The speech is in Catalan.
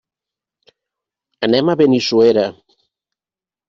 Anem a Benissuera.